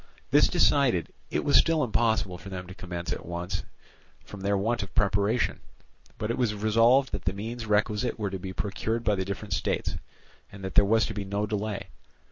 This decided, it was still impossible for them to commence at once, from their want of preparation; but it was resolved that the means requisite were to be procured by the different states, and that there was to be no delay.